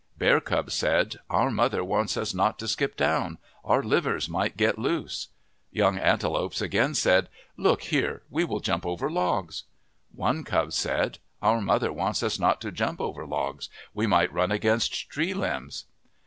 Bear cubs said, " Our mother wants us not to skip down. Our livers might get loose." Young antelopes again said, " Look here ! We will jump over logs." One cub said, " Our mother wants us not to jump over logs. We might run against tree limbs."